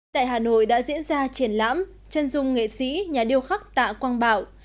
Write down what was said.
tại hà nội đã diễn ra triển lãm chân dung nghệ sĩ nhà điêu khắc tạ quang bảo